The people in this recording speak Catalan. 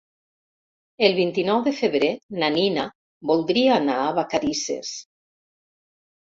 El vint-i-nou de febrer na Nina voldria anar a Vacarisses.